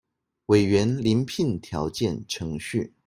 委員遴聘條件程序